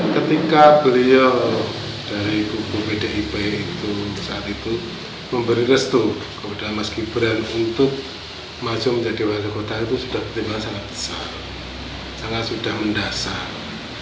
ketika beliau dari kubu pdip itu saat itu memberi restu kepada mas gibran untuk maju menjadi wali kota itu sudah pertimbangan sangat besar sangat sudah mendasar